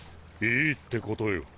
いいってことよ。